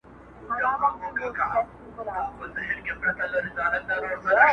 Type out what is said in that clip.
فقط شکل مو بدل دی د دامونو،